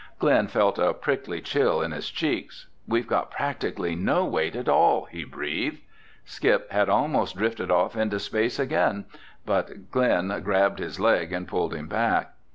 Glen felt a prickly chill in his cheeks. "We've got practically no weight at all!" he breathed. Skip had almost drifted off into space again, but Glen grabbed his leg and pulled him back.